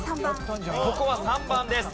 ここは３番です。